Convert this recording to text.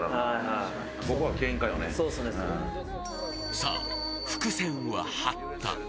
さぁ、伏線は張った。